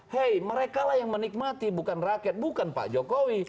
hei mereka lah yang menikmati bukan rakyat bukan pak jokowi